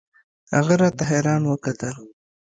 هغه راته حيران وکتل.